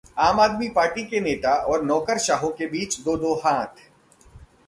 आम आदमी पार्टी के नेता और नौकरशाहों के बीच दो-दो हाथ